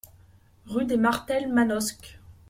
Rue des Martels, Manosque